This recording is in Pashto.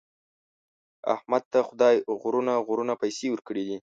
احمد ته خدای غرونه غرونه پیسې ورکړي دي.